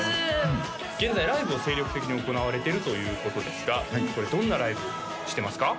現在ライブを精力的に行われてるということですがこれどんなライブをしてますか？